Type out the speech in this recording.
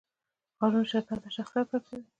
قانون شرکت ته شخصیت ورکوي.